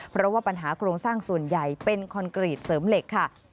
เพราะว่าปัญหาโครงสร้างส่วนใหญ่เป็นคอนกรีตเสริมเหล็กค่ะ